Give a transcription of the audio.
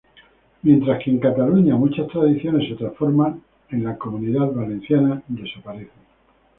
Mientras que en Cataluña muchas tradiciones se transforman, en la Comunidad Valenciana desaparecen.